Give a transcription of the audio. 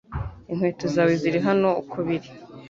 Inkweto zawe ziri hano uko biri